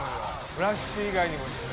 フラッシュ以外にもですね